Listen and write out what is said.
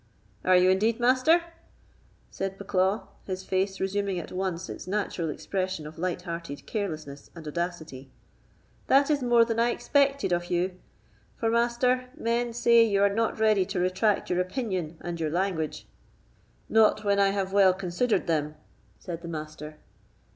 "Are you indeed, Master?" said Bucklaw, his face resuming at once its natural expression of light hearted carelessness and audacity; "that is more than I expected of you; for, Master, men say you are not ready to retract your opinion and your language." "Not when I have well considered them," said the Master.